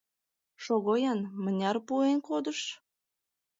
Шого-ян, мыняр пуэн кодыш?